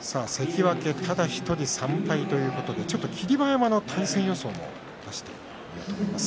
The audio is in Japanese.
関脇ただ１人３敗ということでちょっと霧馬山の対戦予想を出してみようと思います。